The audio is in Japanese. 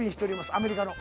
アメリカの。